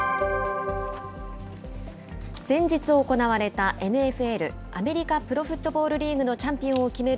先日行われたＮＦＬ・アメリカプロフットボールリーグのチャンピオンを決める